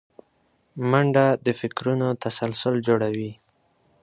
منډه د فکرونو تسلسل جوړوي